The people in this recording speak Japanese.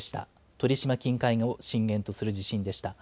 鳥島近海を震源とする地震でした。